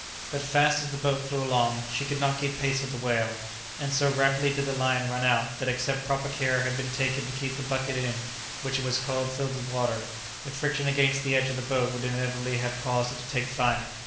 But fast as the boat flew along, she could not keep pace with the whale, and so rapidly did the line run out that except proper care had been taken to keep the bucket in which it was coiled filled with water, the friction against the edge of the boat would inevitably have caused it to take fire.